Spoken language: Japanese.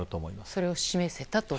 それを示せたと。